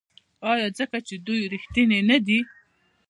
آیا ځکه چې دوی ریښتیني نه دي؟